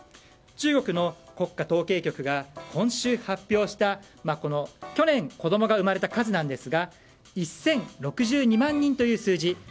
中国の国家統計局が今週発表した去年子供が生まれた数なんですが１０６２万人という数字。